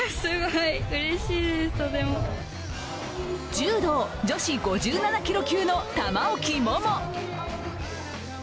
柔道・女子５７キロ級の玉置桃。